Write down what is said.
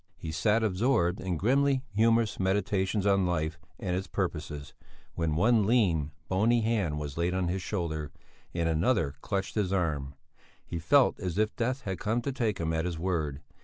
He sat absorbed in grimly humorous meditations on life and its purposes, when one lean, bony hand was laid on his shoulder, and another clutched his arm; he felt as if death had come to take him at his word.